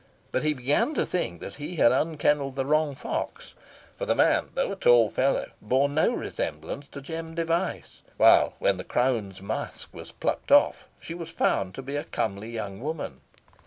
But he began to think he had unkennelled the wrong fox, for the man, though a tall fellow, bore no resemblance to Jem Device; while, when the crone's mask was plucked off, she was found to be a comely young woman.